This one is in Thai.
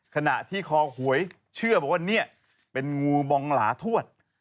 ขณะที่คอหวยเชื่อบอกว่าเนี่ยเป็นงูบองหลาทวด